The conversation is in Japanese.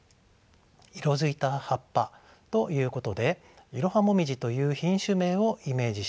色づいた葉っぱということでイロハモミジという品種名をイメージしたものでしょう。